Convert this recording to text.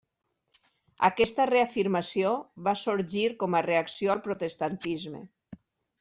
Aquesta reafirmació va sorgir com a reacció al protestantisme.